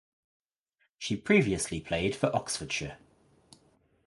She previously played for Oxfordshire.